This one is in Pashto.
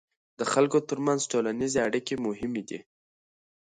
د خلکو ترمنځ ټولنیزې اړیکې مهمې دي.